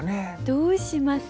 どうします？